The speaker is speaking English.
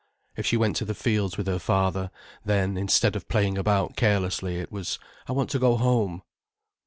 If she went to the fields with her father, then, instead of playing about carelessly, it was: "I want to go home."